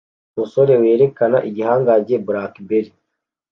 Umusore werekana igihangange Blackberry